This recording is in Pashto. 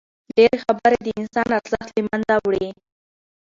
ډېري خبري د انسان ارزښت له منځه وړي.